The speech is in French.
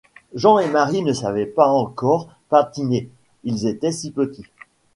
Jean et Marie ne savaient pas encore patiner : ils étaient si petits.